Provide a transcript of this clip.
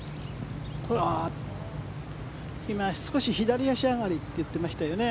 今少し左足上がりと言ってましたよね。